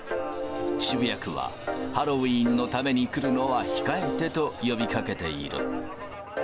渋谷区はハロウィーンのために来るのは控えてと、呼びかけている。